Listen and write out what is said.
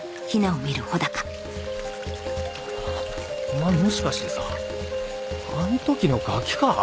お前もしかしてさあの時のガキか？